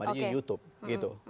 ada juga youtube